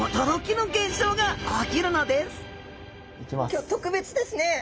今日特別ですね。